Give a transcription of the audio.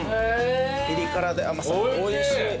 ピリ辛で甘さおいしい。